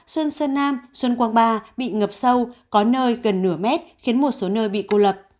xuân sơn nam xuân quang ba bị ngập sâu có nơi gần nửa mét khiến một số nơi bị cô lập